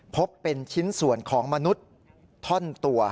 พบเป็นชิ้นส่วนของมนุษย์ท่อนตัว